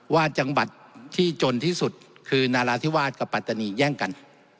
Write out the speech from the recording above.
ว่าจังหวัดที่จนที่สุดคือนาราธิวาสกับปัตตานีแย่งกัน